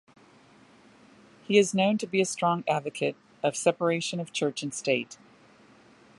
He is known to be a strong advocate of separation of church and state.